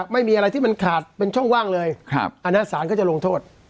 ไม่มีอะไรที่มันขาดเป็นช่องว่างเลยอันนี้สารก็จะลงโทษ